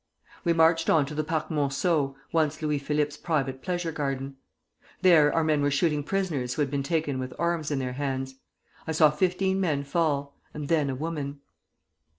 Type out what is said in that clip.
"We marched on to the Parc Monceau [once Louis Philippe's private pleasure garden]. There our men were shooting prisoners who had been taken with arms in their hands. I saw fifteen men fall, and then a woman.